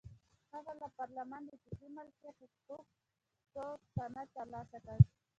هغه له پارلمانه د فکري مالکیت حقوقو سند ترلاسه کړ.